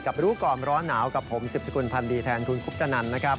รู้ก่อนร้อนหนาวกับผมสิบสกุลพันธ์ดีแทนคุณคุปตนันนะครับ